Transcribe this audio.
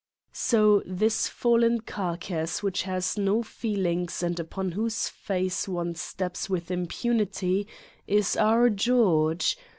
So, this fallen carcass which has no feelings and upon whose face one steps with impunity is our George